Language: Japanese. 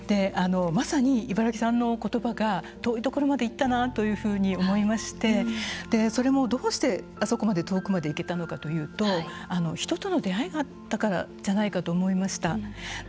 まさに茨木さんの言葉が遠いところまで行ったなというふうに思いましてそれもどうしてあそこまで遠くまで行けたのかというと人との出会いがあったからじゃないかと思いました。